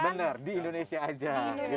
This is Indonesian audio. bener di indonesia aja